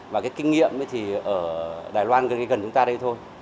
và cái kinh nghiệm thì ở đài loan gần chúng ta đây thôi